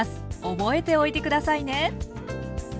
覚えておいて下さいね。